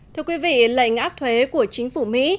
thưa quý vị lệnh áp thuế của chính phủ mỹ